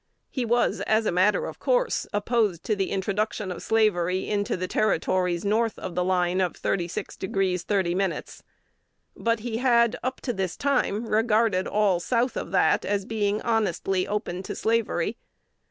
He was, as a matter of course, opposed to the introduction of slavery into the Territories north of the line of 36° 30'; but he had, up to this time, regarded all south of that as being honestly open to slavery.